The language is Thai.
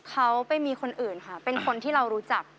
เขาไปมีคนอื่นค่ะเป็นคนที่เรารู้จัก